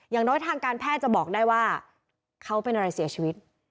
อย่างน้อยทางการแพทย์จะบอกได้ว่าเขาเป็นอะไรเสียชีวิต